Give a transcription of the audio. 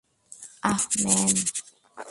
আহ, man.